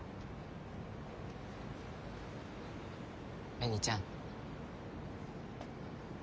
紅ちゃん。